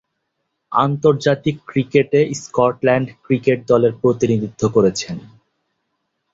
আন্তর্জাতিক ক্রিকেটে Scotland cricket দলের প্রতিনিধিত্ব করছেন।